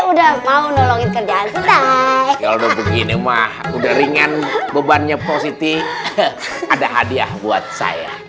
udah mau nolongin kerjaan kalau udah begini mah udah ringan bebannya positif ada hadiah buat saya